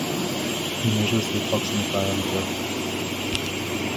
He measures the approximate diameter.